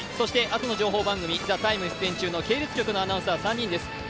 朝の情報番組「ＴＨＥＴＩＭＥ，」に出演中の系列局のアナウンサー３人です。